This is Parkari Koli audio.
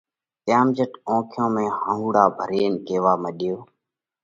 تيام جھٽ اونکيون ۾ هئهونڙا ڀرينَ ڪيوا مڏيو: